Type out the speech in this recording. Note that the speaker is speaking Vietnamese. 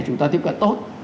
chúng ta tiếp cận tốt